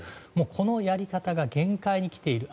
このやり方が限界に来ている。